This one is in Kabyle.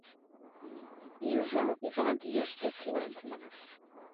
Yuba yebɣa ad d-yerr tasiwant-nnes.